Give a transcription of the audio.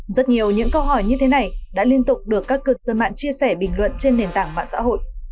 rất nhiều những câu hỏi như thế này đã liên tục được các cư dân mạng chia sẻ bình luận trên nền tảng mạng xã hội